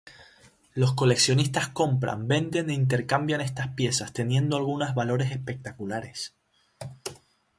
Los coleccionistas compran, venden e intercambian estas piezas, teniendo algunas valores espectaculares.